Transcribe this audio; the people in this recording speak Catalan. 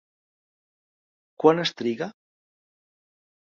Quan es triga?